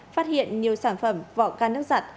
phát hiện nhiều sản phẩm vỏ can nước giặt